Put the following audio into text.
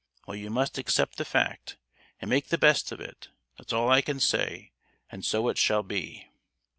Well, you must accept the fact, and make the best of it; that's all I can say, and so it shall be!"